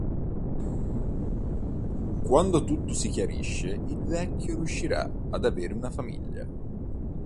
Quando tutto si chiarisce il vecchio riuscirà ad avere una famiglia.